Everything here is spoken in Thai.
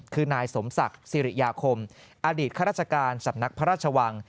คือนายสมศักดิ์สิริยาคมอดีตข้าราชการสำนักพระราชวัง